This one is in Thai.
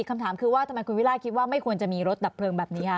คำถามคือว่าทำไมคุณวิล่าคิดว่าไม่ควรจะมีรถดับเพลิงแบบนี้คะ